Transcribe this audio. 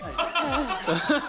アハハハ